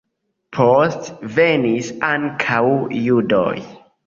Poste venis ankaŭ judoj.